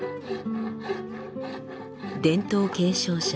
伝統継承者